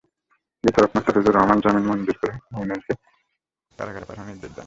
বিচারক মোস্তাফিজুর রহমান জামিন নামঞ্জুর করে মমিনুলকে কারাগারে পাঠানোর নির্দেশ দেন।